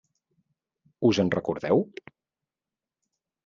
Us en recordeu?